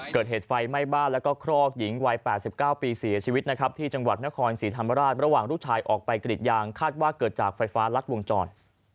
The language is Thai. เกิดเหตุไฟไหม้บ้านแล้วก็ครอกหญิงวัย๘๙ปีเสียชีวิตนะครับที่จังหวัดนครศรีธรรมราชระหว่างลูกชายออกไปกรีดยางคาดว่าเกิดจากไฟฟ้ารัดวงจร